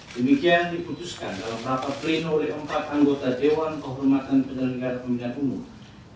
demikian diputuskan dalam rapat pleno oleh empat anggota dewan kehormatan penyelenggara pemilihan umum